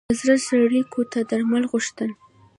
د زړه څړیکو ته درمل غوښتل.